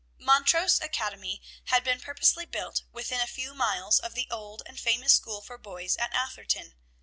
Montrose Academy had been purposely built within a few miles of the old and famous school for boys in Atherton.